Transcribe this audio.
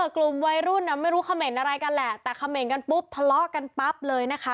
กลุ่มวัยรุ่นไม่รู้เขม่นอะไรกันแหละแต่คำเห็นกันปุ๊บทะเลาะกันปั๊บเลยนะคะ